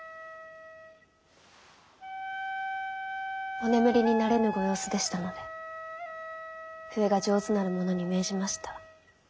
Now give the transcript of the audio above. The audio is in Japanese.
お眠りになれぬご様子でしたので笛が上手なる者に命じました。